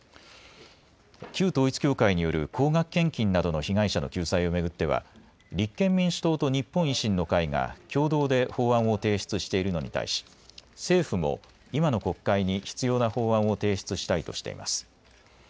旧統一教会による高額献金などの被害者の救済を巡っては立憲民主党と日本維新の会が共同で法案を提出しているのに対し政府も今の国会に必要な法案を提出したいとしています。